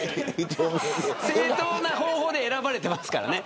正当な方法で選ばれていますからね。